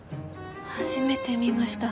初めて見ました。